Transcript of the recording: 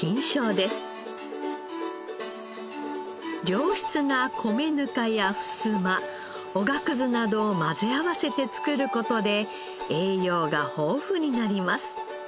良質な米ぬかやふすまオガクズなどを混ぜ合わせて作る事で栄養が豊富になります。